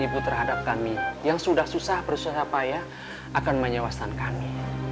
ibu terhadap kami yang sudah susah bersusah payah akan menyewakan kami